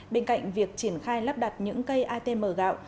bên cạnh việc triển khai lắp đặt những cây atm gạo